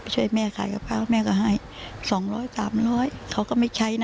ช่วยแม่ขายกับข้าวแม่ก็ให้๒๐๐๓๐๐เขาก็ไม่ใช้นะ